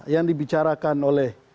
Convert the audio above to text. yang dibicarakan oleh